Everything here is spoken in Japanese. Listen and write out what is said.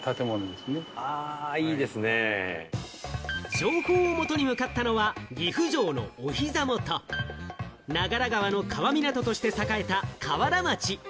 情報をもとに向かったのは岐阜城のお膝元、長良川の川港として栄えた川原町。